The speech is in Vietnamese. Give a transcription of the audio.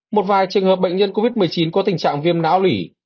một vài trường hợp bệnh nhân covid một mươi chín có tình trạng viêm não ủy